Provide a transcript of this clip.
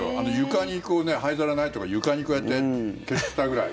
床に灰皿ないと床にこうやって消したぐらい。